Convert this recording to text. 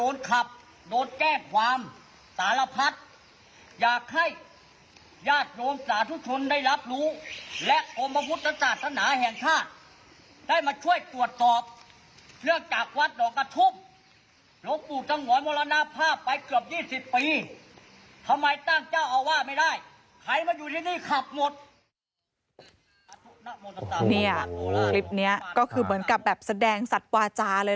คลิปนี้ก็คือเหมือนกับแบบแสดงสัตว์วาจาเลย